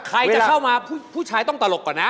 ใครจะเข้ามาผู้ชายต้องตลกก่อนนะ